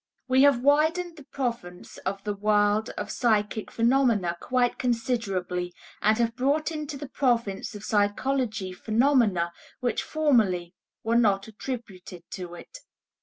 We have widened the province of the world of psychic phenomena quite considerably, and have brought into the province of psychology phenomena which formerly were not attributed to it.